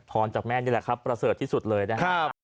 จากแม่นี่แหละครับประเสริฐที่สุดเลยนะฮะ